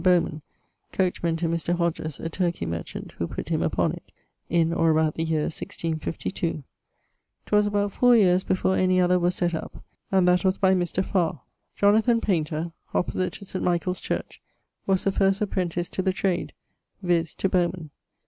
Bowman (coachman to Mr. Hodges, a Turkey merchant, who putt him upon it) in or about the yeare 1652. 'Twas about 4 yeares before any other was sett up, and that was by Mr. Far. Jonathan Paynter, opposite to St. Michael's Church, was the first apprentice to the trade, viz. to Bowman.